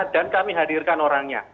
dan kami hadirkan orangnya